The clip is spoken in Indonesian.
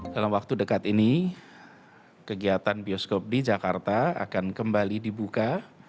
dalam waktu dekat ini kegiatan bioskop di jakarta akan kembali dibuka